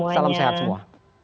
salam sehat semua